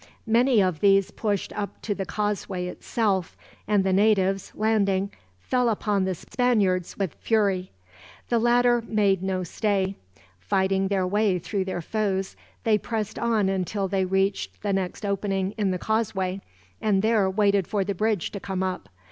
Many of these pushed up to the causeway itself; and the natives, landing, fell upon the Spaniards with fury. The latter made no stay. Fighting their way through their foes they pressed on until they reached the next opening in the causeway, and there waited for the bridge to come up.